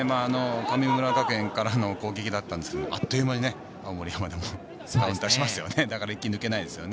神村学園からの攻撃だったんですけど、あっという間に青森山田も、力を出しますね。